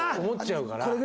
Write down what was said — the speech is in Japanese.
思っちゃうから。